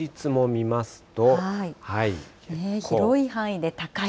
広い範囲で高いと。